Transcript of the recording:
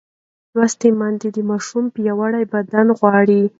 لوستې میندې د ماشوم پیاوړی بدن غواړي.